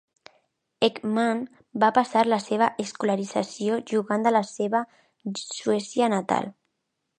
Ekman va passar la seva escolarització jugant a la seva Suècia natal.